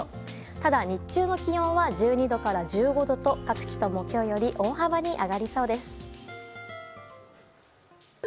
ただ日中の気温は１２度から１５度と各地とも今日より大幅に上がりそうです。